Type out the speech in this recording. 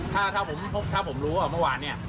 ถ้าผมรู้ว่าเมื่อวานนี้